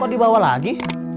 kok dibawa lagi